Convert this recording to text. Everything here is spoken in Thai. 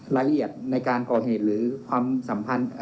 ละเอียดในการก่อเหตุหรือความสัมพันธ์